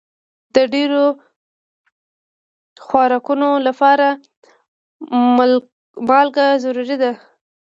د ډېرو خوراکونو لپاره مالګه ضروري ده.